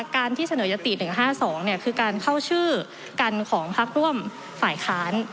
การที่เสนอยติ๑๕๒คือการเข้าชื่อกันของพักร่วมฝ่ายค้าน